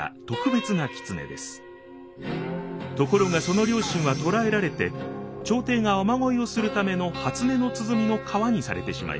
ところがその両親は捕らえられて朝廷が雨乞いをするための「初音の鼓」の皮にされてしまいます。